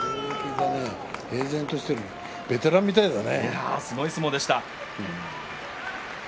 平然としてるねベテランみたいだね。